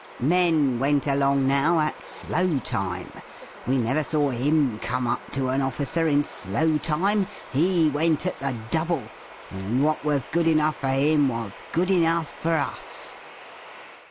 Men ivent along notv at slow time. We never saw him come up to an officer iti slow time, he went at the double, and what was good enough for him was good enough for us.